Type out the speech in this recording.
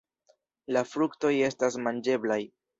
La fruktoj estas manĝeblaj.